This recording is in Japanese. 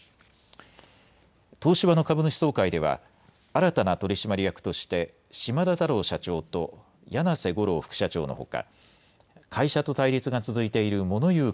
東芝の株主総会では新たな取締役として島田太郎社長と柳瀬悟郎副社長のほか、会社と対立が続いているモノ言う